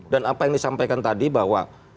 dan apa yang disampaikan tadi bahwa